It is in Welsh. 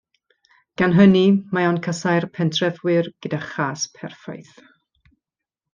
Gan hynny mae o'n casáu'r pentrefwyr gyda chas perffaith.